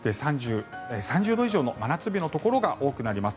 ３０度以上の真夏日のところが多くなります。